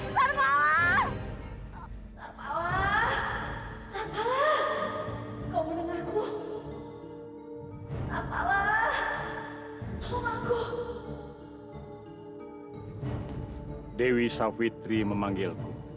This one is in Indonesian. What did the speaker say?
kalau kau tak melarang rheumatik tak abyah bisa sial